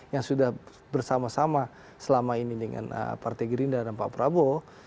yang sudah bersama sama selama ini dengan partai gerindra dan pak prabowo